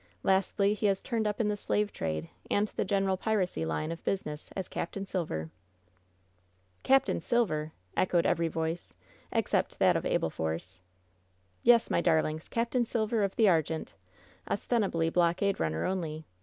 Lastly, he has turned up in the slave trade and the general piracy line of business as Capt. Silver." "Capt Silver!" echoed every voice, except that of Abel Force. "Yes, my darlings — Capt Silver, of the ArgerUe. Ostensibly blockade runner only.